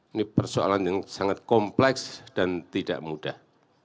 ini persoalan yang sangat kompleks dan tidak mudah